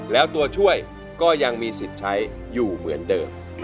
แล้วตัวช่วยก็ยังมีสิทธิ์ใช้อยู่เหมือนเดิม